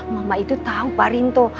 mama itu tau parinto